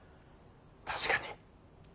確かに。